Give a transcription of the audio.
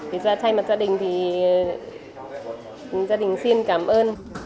thực ra thay mặt gia đình thì gia đình xin cảm ơn